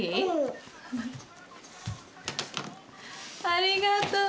ありがとう。